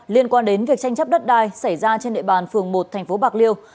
liên quan đến việc tranh chấp đất đai xảy ra trên địa bàn phường một tp bạc liêu